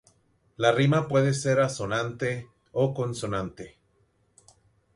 La rima puede ser asonante o consonante.